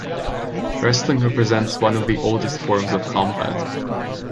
Wrestling represents one of the oldest forms of combat.